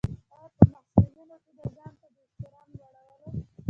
او په محصلینو کې د ځانته د احترام لوړولو.